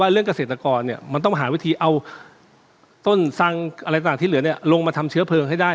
เรื่องเกษตรกรมันต้องหาวิธีเอาต้นสังอะไรต่างที่เหลือลงมาทำเชื้อเพลิงให้ได้